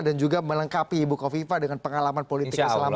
dan juga melengkapi bukoviva dengan pengalaman politik yang selama ini